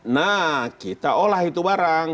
nah kita olah itu barang